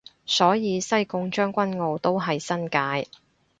所以西貢將軍澳都係新界